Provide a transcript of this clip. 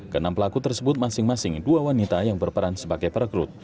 kenam pelaku tersebut masing masing dua wanita yang berperan sebagai perekrut